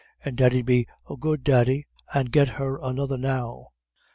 And daddy'd be a good daddy and get her another now.